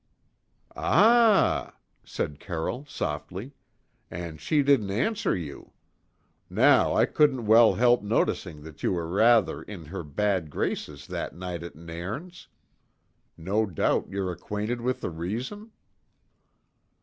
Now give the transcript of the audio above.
"Ah!" said Carroll softly; "and she didn't answer you. Now, I couldn't well help noticing that you were rather in her bad graces that night at Nairn's. No doubt, you're acquainted with the reason?"